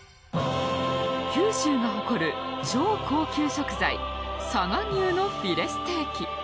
九州が誇る超高級食材佐賀牛のヒレステーキ。